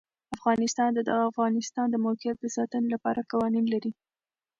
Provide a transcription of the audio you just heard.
افغانستان د د افغانستان د موقعیت د ساتنې لپاره قوانین لري.